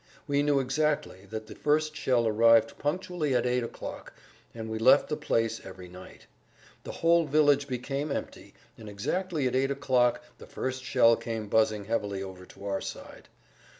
We knew exactly that the first shell arrived punctually at 8 o'clock, and we left the place every night. The whole village became empty, and exactly at 8 o'clock the first shell came buzzing heavily over to our side.